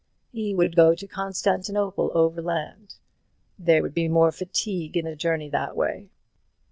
He would go to Constantinople overland; there would be more fatigue in the journey that way.